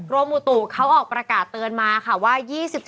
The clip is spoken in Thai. อุตุเขาออกประกาศเตือนมาค่ะว่า